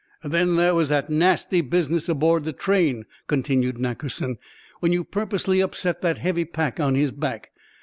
"Then there was that nasty business aboard the train," continued Nackerson, "when you purposely upset that heavy pack on his back.